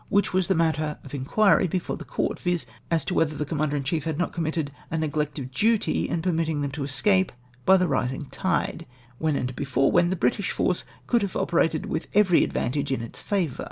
which Avas the matter of inquiry before the court, viz. as to Avhether the Commander in chief had not committed a neg lect of duty in permitting them to esca})e by the rising tide, Avhen and before Avhen the British force could, have operated with every advantage in its favour.